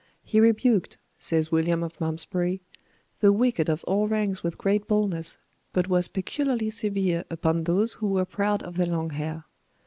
"He rebuked," says William of Malmsbury, "the wicked of all ranks with great boldness, but was peculiarly severe upon those who were proud of their long hair.